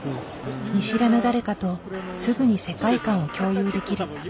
見知らぬ誰かとすぐに世界観を共有できる。